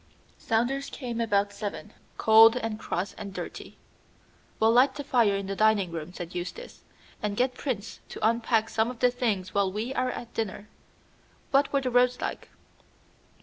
Saunders came about seven, cold and cross and dirty. "We'll light the fire in the dining room," said Eustace, "and get Prince to unpack some of the things while we are at dinner. What were the roads like?"